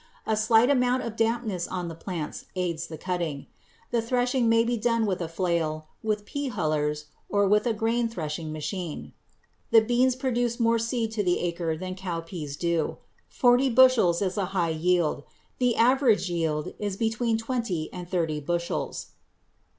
A slight amount of dampness on the plants aids the cutting. The threshing may be done with a flail, with pea hullers, or with a grain threshing machine. The beans produce more seed to the acre than cowpeas do. Forty bushels is a high yield. The average yield is between twenty and thirty bushels.